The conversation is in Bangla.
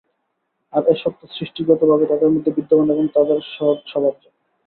আর এ সত্য সৃষ্টিগতভাবে তাদের মধ্যে বিদ্যমান এবং তাদের স্বভাবজাত।